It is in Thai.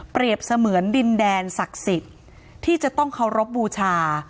เสมือนดินแดนศักดิ์สิทธิ์ที่จะต้องเคารพบูชา